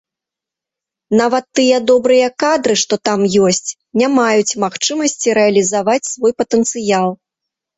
Нават тыя добрыя кадры, што там ёсць, не маюць магчымасці рэалізаваць свой патэнцыял.